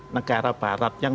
negara barat yang